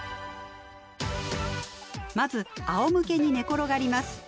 まずあおむけに寝転がります。